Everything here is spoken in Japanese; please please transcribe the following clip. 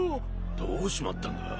どうしちまったんだ？